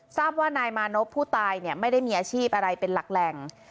ทราบว่านายมานพผู้ตายไม่ได้มีอาชีพอะไรเป็นหลักแหล่ง